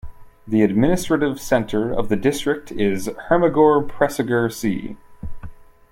The administrative center of the district is Hermagor-Pressegger See.